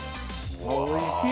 ・おいしい！